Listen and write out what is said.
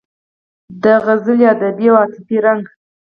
د غزل ادبي او عاطفي رنګ